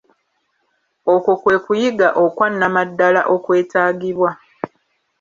Okwo kwe kuyiga okwa namaddala okwetaagibwa.